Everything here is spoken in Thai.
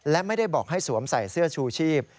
และไม่ได้บอกให้สวมใส่เสื้อชูชีพ